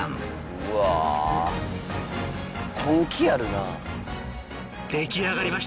うわ根気あるな。